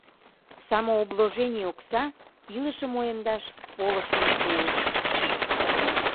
Самообложений окса илышым уэмдаш полышым пуыш.